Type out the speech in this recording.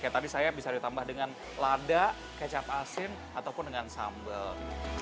kayak tadi saya bisa ditambah dengan lada kecap asin ataupun dengan sambal